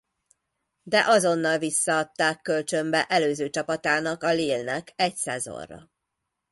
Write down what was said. De azonnal visszaadták kölcsönbe előző csapatának a Lille-nek egy szezonra.